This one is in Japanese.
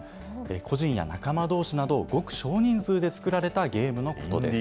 個人や仲間どうしなど、ごく少人数で作られたゲームのことです。